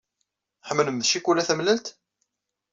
Tḥemmlem ccikula tamellalt?